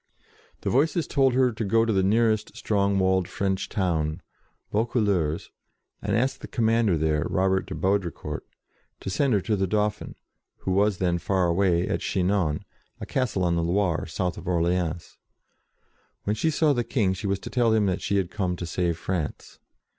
The Voices told her to go to the nearest strong walled French town, Vaucouleurs, and ask the commander there, Robert de Baudricourt, to send her to the Dauphin, who was then far away, at Chinon, a castle on the Loire, south of Orleans. When she saw the King, she was to tell him that she had come to save France.